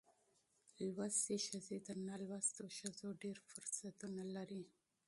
لوستې ښځې تر نالوستو ښځو ډېر فرصتونه لري.